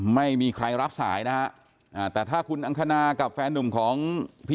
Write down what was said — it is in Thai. ไม่มีใครรับสายนะฮะอ่าแต่ถ้าคุณอังคณากับแฟนนุ่มของพี่